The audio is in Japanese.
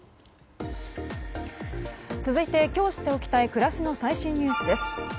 続いて今日知っておきたい暮らしの最新ニュースです。